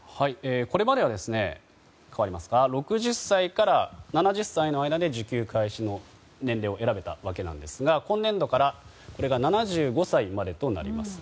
これまでは６０歳から７０歳の間で受給開始の年齢を選べたわけなんですが今年度からこれが７５歳までとなります。